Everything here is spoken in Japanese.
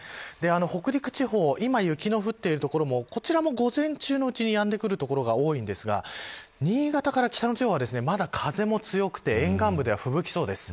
北陸地方、今雪の降っている所もこちらも午前中のうちにやんでくる所が多いんですが新潟から北の地方は、まだ風も強くて沿岸部ではふぶきそうです。